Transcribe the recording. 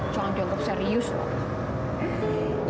jangan dianggap serius loh